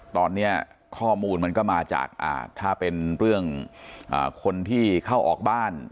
ตอนนี้ข้อมูลมันก็มาจากถ้าเป็นเรื่องคนที่เข้าออกบ้าน